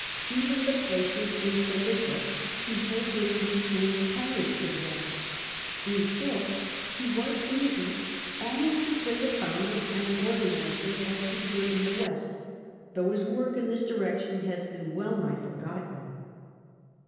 Even the places in Oilicia peopled with reclaimed pirates did well In short, he was in the East almost as great a founder and organiser as Omsar in the West, though his work in this direction has been well nigh forgotten.